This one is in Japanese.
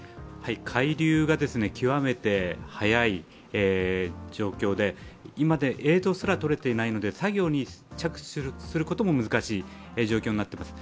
海流が極めて速い状況で、今、映像すら撮れていないので作業に着手することも難しい状況になっています。